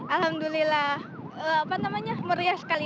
alhamdulillah apa namanya meriah sekali